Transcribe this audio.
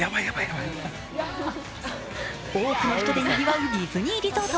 多くの人でにぎわうディズニーリゾート。